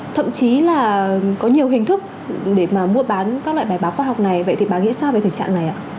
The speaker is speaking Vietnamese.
thậm chí là có nhiều hình thức để mà mua bán các loại bài báo khoa học này vậy thì bà nghĩ sao về thực trạng này ạ